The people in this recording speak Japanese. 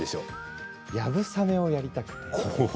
やぶさめをやりたくて。